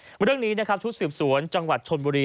เมื่อเรื่องนี้นะครับชุดสืบสวนจังหวัดชนบุรี